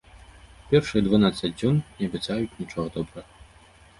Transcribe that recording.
Першыя дванаццаць дзён не абяцаюць нічога добрага.